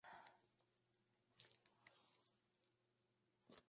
Mientras que sus alas, cola, cara y garganta son de color negro brillante.